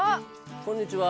こんにちは。